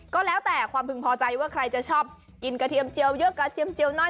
ก็แล้วแต่ความพึงพอใจว่าใครจะชอบกินกระเทียมเจียวเยอะกระเทียมเจียวน้อย